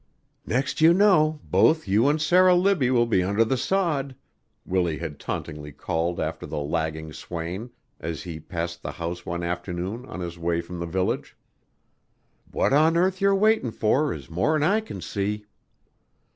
"Next you know, both you an' Sarah Libbie will be under the sod," Willie had tauntingly called after the lagging swain, as he passed the house one afternoon on his way from the village. "What on earth you're waitin' for is mor'n I can see."